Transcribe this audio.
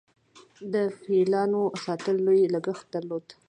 د فیلانو ساتل لوی لګښت درلود